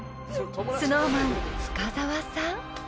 ［ＳｎｏｗＭａｎ深澤さん？］